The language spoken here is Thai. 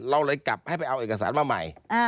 เราเลยกลับไปก่อนให้เอาเอกสารมาใหม่